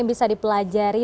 yang bisa dipelajari